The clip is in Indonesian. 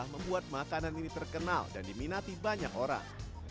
membuat makanan ini terkenal dan diminati banyak orang